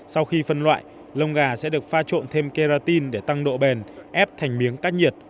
sau khi phân loại lông gà sẽ được pha trộn thêm kratin để tăng độ bền ép thành miếng tách nhiệt